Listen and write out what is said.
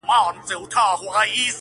او پوښتني نه ختمېږي هېڅکله,